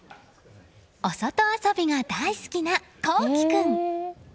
お外遊びが大好きな昊生君！